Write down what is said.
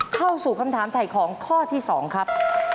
เข้าสู่คำถามถ่ายของข้อที่๒ครับ